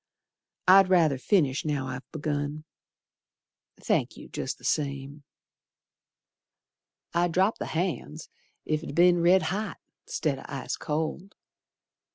I'd ruther finish now I've begun. Thank you, jest the same. I dropped the hand's ef it'd be'n red hot 'Stead o' ice cold.